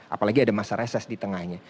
apalagi ada masa reses di tengahnya